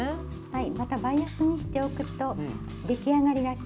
はい。